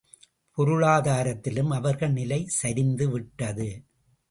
பொருளாதாரத்திலும் அவர்கள் நிலை சரிந்து விட்டது.